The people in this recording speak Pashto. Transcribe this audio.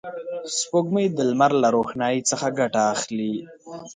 سپوږمۍ د لمر له روښنایي څخه ګټه اخلي